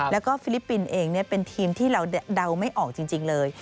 แล้วก็ฟิลิปปินส์เองเป็นทีมที่เราเดาไม่ออกจริงเลย